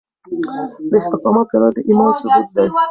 د استقامت لرل د ايمان ثبوت دی.